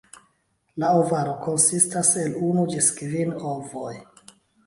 La ovaro konsistas el unu ĝis kvin ovoj.